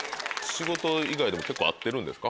仕事以外でも結構会ってるんですか？